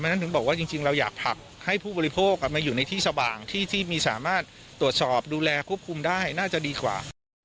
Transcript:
ฉะนั้นถึงบอกว่าจริงเราอยากผลักให้ผู้บริโภคมาอยู่ในที่สว่างที่มีสามารถตรวจสอบดูแลควบคุมได้น่าจะดีกว่า